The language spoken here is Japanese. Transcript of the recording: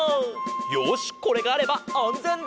よしこれがあればあんぜんだ！